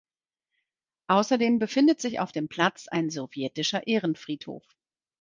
Außerdem befindet sich auf dem Platz ein sowjetischer Ehrenfriedhof.